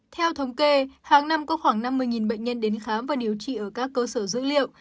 theo thống kê hàng năm có khoảng năm mươi bệnh nhân đến khám và điều trị ở các cơ sở dữ liệu